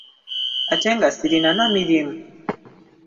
Ate nga sirina na mirimu?